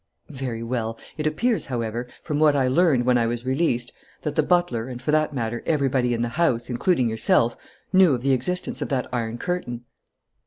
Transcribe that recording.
"Very well. It appears, however, from what I learned when I was released, that the butler and, for that matter, everybody in the house, including yourself, knew of the existence of that iron curtain."